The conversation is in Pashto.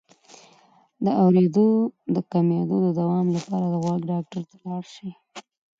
د اوریدو د کمیدو د دوام لپاره د غوږ ډاکټر ته لاړ شئ